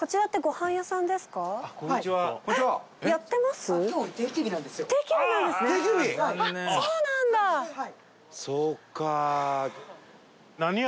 はい。